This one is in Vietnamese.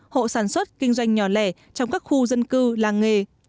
hộ sản xuất kinh doanh nhỏ lẻ trong các khu dân cư làng nghề